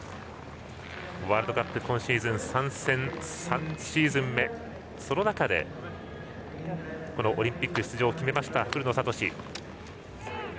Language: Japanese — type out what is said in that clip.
ワールドカップ今シーズン参戦３シーズン目その中で、オリンピック出場を決めました古野慧。